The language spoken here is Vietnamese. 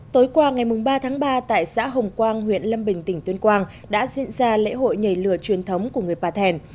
tối qua ngày ba tháng ba tại xã hồng quang huyện lâm bình tỉnh tuyên quang đã diễn ra lễ hội nhảy lửa truyền thống của người pà thèn